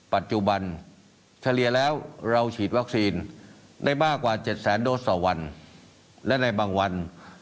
ปัจจุบันเฉลี่ยแล้วเราฉีดวัคซีนได้มากกว่า๗๐๐โดสต่อวัน